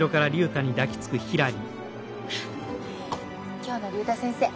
今日の竜太先生